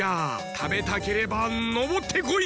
たべたければのぼってこい！